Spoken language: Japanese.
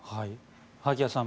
萩谷さん